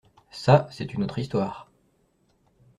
Ça, c’est une autre Histoire.